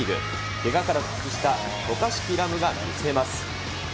けがから復帰した渡嘉敷来夢が見せます。